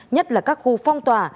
nhất là các khu phong tòa